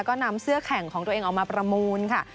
ก็นำเสื้อแข่งของตัวเองออกมาประมูลค่ะ